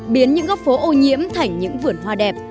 biến những góc phố ô nhiễm thành những vườn hoa đẹp